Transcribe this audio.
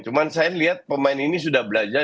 cuma saya lihat pemain ini sudah belajar